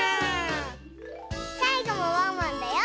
さいごもワンワンだよ！